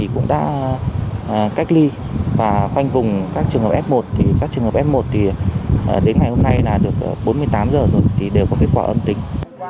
cũng đã cách ly và khoanh vùng các trường hợp f một các trường hợp f một đến ngày hôm nay được bốn mươi tám giờ rồi thì đều có kết quả âm tính